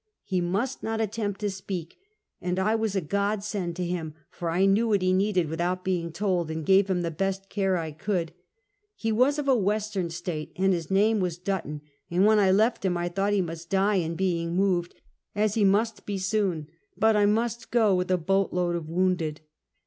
He must not attempt to speak, and I was a godsend to him, for I knew what he needed without being told, and gave him the best care I could. He was of a Western State, and his name Dutton, and when I left him I thought he must die in being moved, as he must be soon; but I must go with a boat load of wounded.